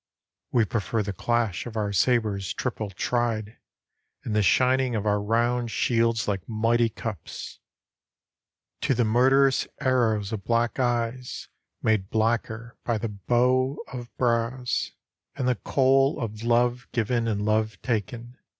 We prefer the clash of our sabres triple tried And the shining of our round shields like mighty cups. 11 WAR SONG To the murderous arrows of black eyes Made blacker by the bow of brows And the kohl of love given and love taken.